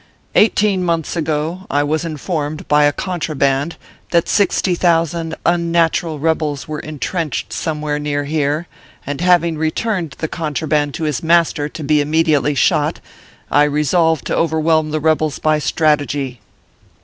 Eighteen months ago, I was informed by a contraband that sixty thousand unnatural rebels were intrenched somewhere near here, and having returned the contraband to his master, to be immediately shot, I resolved to overwhelm the rebels by strategy.